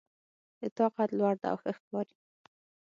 د تا قد لوړ ده او ښه ښکاري